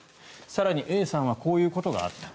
更にＡさんはこういうことがあった。